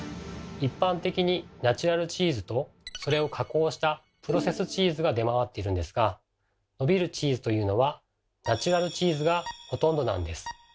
一般的に「ナチュラルチーズ」とそれを加工した「プロセスチーズ」が出回っているんですが伸びるチーズというのはナチュラルチーズがほとんどなんです。